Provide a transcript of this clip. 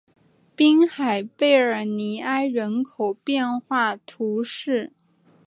滨海贝尔尼埃人口变化图示